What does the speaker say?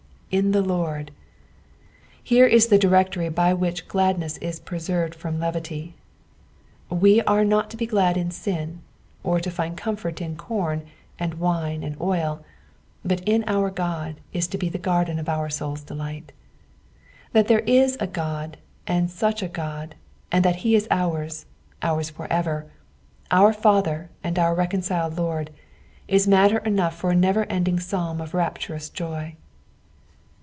'■' In the Lord." Here is the directory by which gladneB« is preserved from levity. We are not tu be glad in siu, or to find comfort in corn, uid wine, and oil, but in our Ood is to be the garden of oursoura delight. That there is a God and Buch a Ood, and that he is ours, oura tor ever, our Father and our reconciled Lord, is matter enough for a never ending paalm of rapturous joy.